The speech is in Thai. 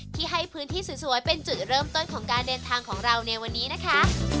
ที่ให้พื้นที่สวยเป็นจุดเริ่มต้นของการเดินทางของเราในวันนี้นะคะ